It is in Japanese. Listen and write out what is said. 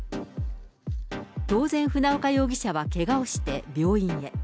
当然、船岡容疑者はけがをして病院へ。